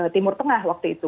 timur tengah waktu itu